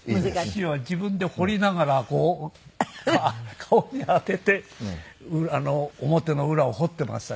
父は自分で彫りながらこう顔に当てて面の裏を彫っていました。